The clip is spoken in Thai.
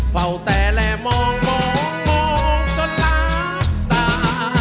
เฝ้าแต่และมองมองมองจนลาดตา